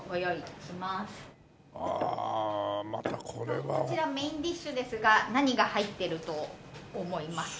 ああまたこれは。こちらメインディッシュですが何が入ってると思いますか？